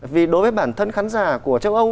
vì đối với bản thân khán giả của châu âu